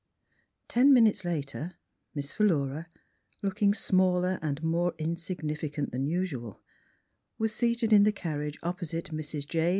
Ten minutes later. Miss Philura, looking smaller and more insignificant than usual, was seated in the carriage opposite Mrs. J.